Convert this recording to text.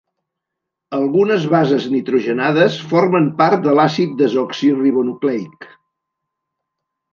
Algunes bases nitrogenades formen part de l'àcid desoxiribonucleic.